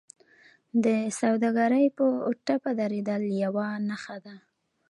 د سوداګرۍ په ټپه درېدل یوه نښه ده